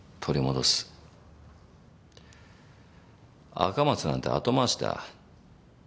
赤松なんて後回しだ。